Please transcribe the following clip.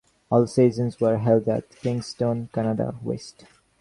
All sessions were held at Kingston, Canada West.